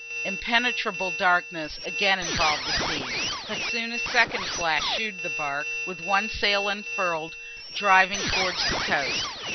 Impenetrable darkness again involved the scene, but soon a second flash showed the bark, with one sail unfurled, driving towards the coast.